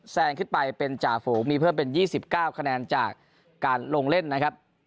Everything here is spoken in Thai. แซงขึ้นไปเป็นจ่าฝูงมีเพิ่มเป็น๒๙คะแนนจากการลงเล่นนะครับ